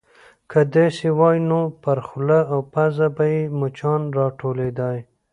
_که داسې وای، نو پر خوله او پزه به يې مچان نه راټولېدای.